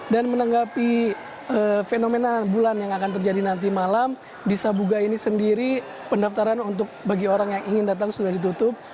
dan menanggapi fenomena bulan yang akan terjadi nanti malam di sabuga ini sendiri pendaftaran untuk bagi orang yang ingin datang sudah ditutup